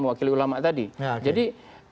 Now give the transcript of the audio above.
mewakili ulama tadi jadi